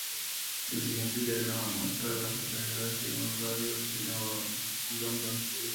El siguiente diagrama muestra a las localidades en un radio de de New London.